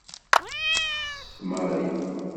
Texsef Mary.